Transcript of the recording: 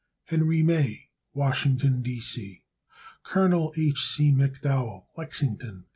Henry May, Washington, D. C. Col. H. C. McDowell, Lexington, Ky.